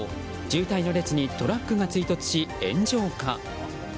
渋滞の列にトラックが追突し炎上か。